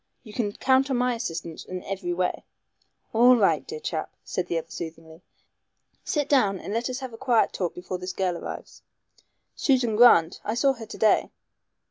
You can count on my assistance in every way." "All right, my dear chap," said the other soothingly, "sit down and let us have a quiet talk before this girl arrives." "Susan Grant. I saw her to day."